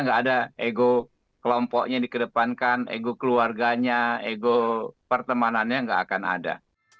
nggak ada ego kelompoknya dikedepankan ego keluarganya ego pertemanannya nggak akan ada